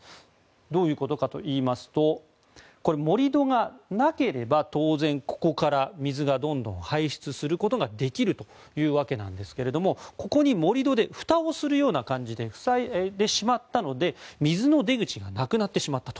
どういうことかといいますと盛り土がなければ当然、ここから水がどんどん排出することができるというわけですがここに盛り土でふたをするような感じで塞いでしまったので水の出口がなくなってしまったと。